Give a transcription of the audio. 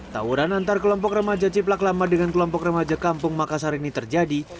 tawuran antar kelompok remaja ciplak lama dengan kelompok remaja kampung makassar ini terjadi